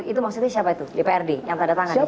itu maksudnya siapa itu dprd yang tanda tangan